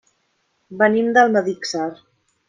Venim d'Almedíxer.